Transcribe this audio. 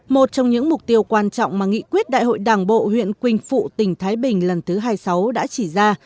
một trong những mục tiêu quan trọng mà nghị quyết đại hội đảng bộ huyện quỳnh phụ tỉnh thái bình lần thứ hai mươi sáu đã chỉ ra